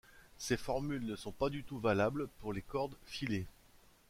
Ces formules ne sont pas du tout valables pour les cordes filées.